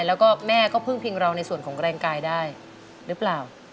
แล้วก็แม่ก็พึ่งพิงเราในส่วนของแรงกายได้หรือเปล่า